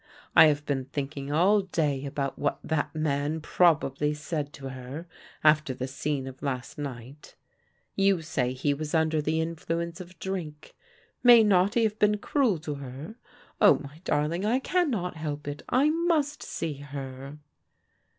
I have been thinking all day about what that man probably said to her, after the scene of last night You say he was under the influence of drink. May not he have been cruel to her? Oh, my darling, I cannot help it, I miist see her